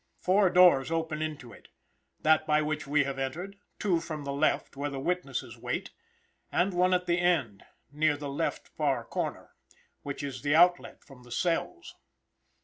Four doors open into it that by which we have entered, two from the left, where the witnesses wait, and one at the end, near the left far corner, which is the outlet from the cells.